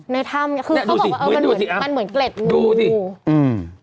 ในท่ำนะเขาก็บอกมันเหมือนเกร็ดงู